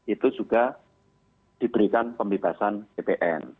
itu juga diberikan pembebasan ppn